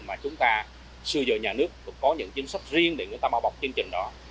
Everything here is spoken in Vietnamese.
mà chúng ta xưa giờ nhà nước cũng có những chính sách riêng để người ta bao bọc chương trình đó